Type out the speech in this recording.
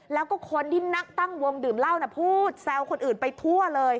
แล้วก็คนที่นั่งตั้งวงดื่มเหล้าน่ะพูดแซวคนอื่นไปทั่วเลย